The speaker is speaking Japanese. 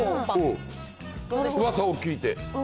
うわさを聞いて。